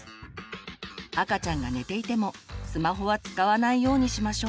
赤ちゃんが寝ていてもスマホは使わないようにしましょう。